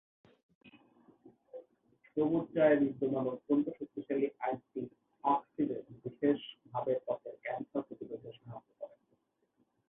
সবুজ চায়ে বিদ্যমান অত্যন্ত শক্তিশালী অ্যান্টিঅক্সিডেন্ট বিশেষভাবে ত্বকের ক্যানসার প্রতিরোধে সাহায্য করে।